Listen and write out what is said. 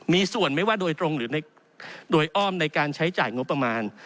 มีส่วนไม่ว่าโดยตรงหรือโดยอ้อมในการใช้จ่ายงบประมาณ